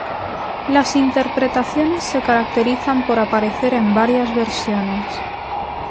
Las interpretaciones se caracterizan por aparecer en varias versiones.